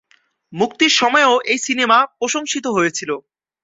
মুক্তির সময়ও এই সিনেমা প্রশংসিত হয়েছিলো।